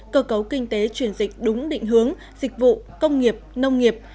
cơ cấu kinh tế chuyển dịch đúng định hướng dịch vụ công nghiệp nông nghiệp